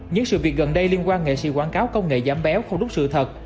nhưng sự việc gần đây liên quan nghệ sĩ quảng cáo công nghệ giảm béo không đúc sự thật